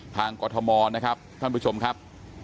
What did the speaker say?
กรทมนะครับท่านผู้ชมครับ